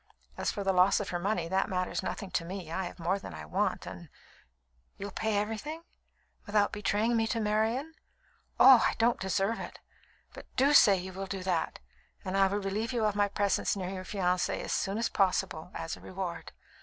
As for the loss of her money, that matters nothing to me. I have more than I want, and " "You'll pay everything, without betraying me to Marian? Oh! I don't deserve it; but do say you will do that, and I will relieve you of my presence near your fiancée as soon as possible, as a reward.